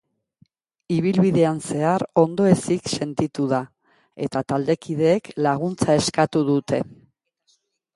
Ibilbidean zehar ondoezik sentitu da eta taldekideek laguntza eskatu dute.